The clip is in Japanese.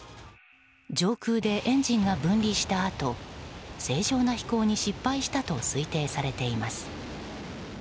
上空でエンジンが分離したあと正常な飛行に失敗したと推定されています。